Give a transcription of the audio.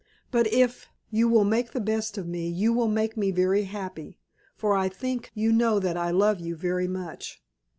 But if you will make the best of me you will make me very happy; for I think you know that I love you very much."